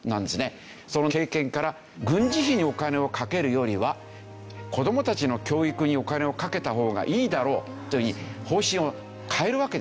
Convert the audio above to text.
その経験から軍事費にお金をかけるよりは子どもたちの教育にお金をかけた方がいいだろうというふうに方針を変えるわけですね。